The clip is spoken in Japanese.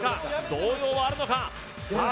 動揺はあるのかさあ